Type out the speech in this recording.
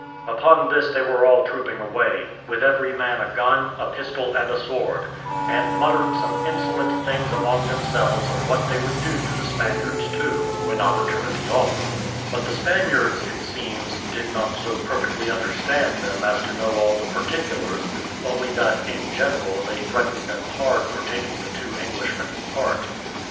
Upon this they were all trooping away, with every man a gun, a pistol, and a sword, and muttered some insolent things among themselves of what they would do to the Spaniards, too, when opportunity offered; but the Spaniards, it seems, did not so perfectly understand them as to know all the particulars, only that in general they threatened them hard for taking the two Englishmen's part.